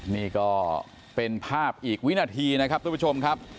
นี่ก็เป็นภาพอีกวินาทีนะครับทุกผู้ชมครับ